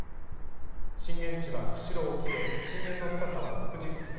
震源地は釧路沖で、震源の深さは６０キロ。